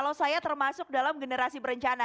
kalau saya termasuk dalam generasi berencana